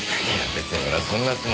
別に俺はそんなつもりじゃ。